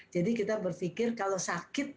jadi kita berpikir kalau sakit